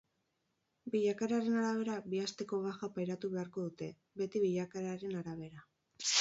Bilakaeraren arabera bi asteko baja pairatu beharko dute, beti bilakaeraren arabera.